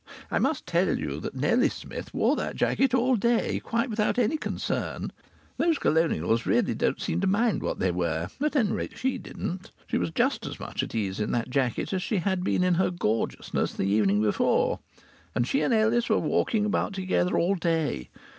I must tell you that Nellie Smith wore that jacket all day, quite without any concern. These Colonials don't really seem to mind what they wear. At any rate she didn't. She was just as much at ease in that jacket as she had been in her gorgeousness the evening before. And she and Ellis were walking about together all day.